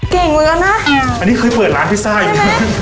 เก่งเหมือนกันนะอันนี้เคยเปิดร้านพิซซ่าอยู่